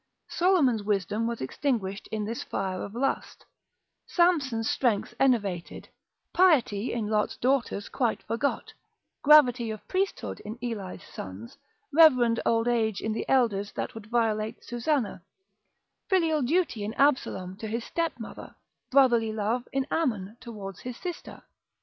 Solomon's wisdom was extinguished in this fire of lust, Samson's strength enervated, piety in Lot's daughters quite forgot, gravity of priesthood in Eli's sons, reverend old age in the Elders that would violate Susanna, filial duty in Absalom to his stepmother, brotherly love in Ammon. towards his sister.